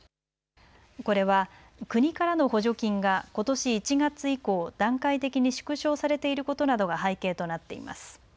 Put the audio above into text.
これは、国からの補助金が、ことし１月以降、段階的に縮小されていることなどが背景となっています。